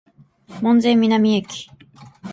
門真南駅